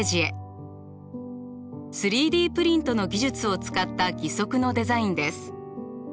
３Ｄプリントの技術を使った義足のデザインです。